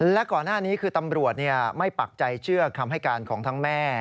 และก่อนหน้านี้คือตำรวจไม่ปักใจเชื่อคำให้การของทั้งแม่